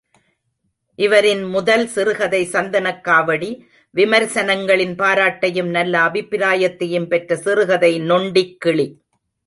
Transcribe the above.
இவரின் முதல் சிறுகதை சந்தனக்காவடி. விமர்சனங்களின் பாராட்டையும் நல்ல அபிப்பிராயத்தையும் பெற்ற சிறுகதை நொண்டிக்கிளி.